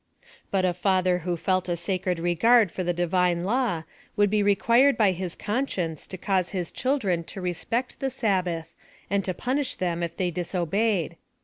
But a father who felt a sacred regard for the Divine law, would be required by his conscience to cause nis children to respect the Sabbath, and to punish them if they disobeyed.